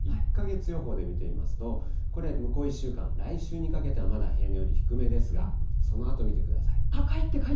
１か月予報で見てみますと、これ、向こう１週間、来週にかけてはまだ平年より低めですが、そのあと見てください。